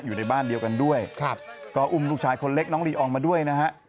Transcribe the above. อยู่ในบ้านเดียวกันด้วย